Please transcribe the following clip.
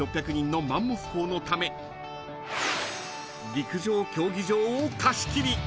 ［陸上競技場を貸し切り］